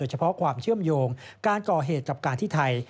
เฉพาะความเชื่อมโยงการก่อเหตุกับการที่ไทย